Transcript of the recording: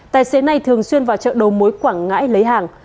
tài xế này thường xuyên vào chợ đầu mối quảng ngãi lấy hàng